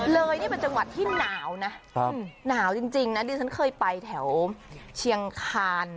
เลยนี่เป็นจังหวัดที่หนาวนะหนาวจริงนะดิฉันเคยไปแถวเชียงคาน